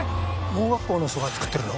盲学校の人が作ってるの？